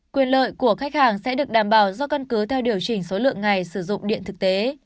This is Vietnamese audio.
quyền lợi của khách hàng sẽ được đảm bảo do căn cứ theo điều chỉnh số lượng ngày sử dụng điện thực tế